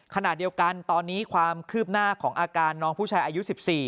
ขณะเดียวกันตอนนี้ความคืบหน้าของอาการน้องผู้ชายอายุ๑๔